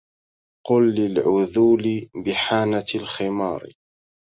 قل للعذول بحانة الخمار